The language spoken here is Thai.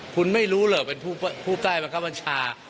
คุณไม่รู้เลยว่าเป็นผู้ใจบัญชา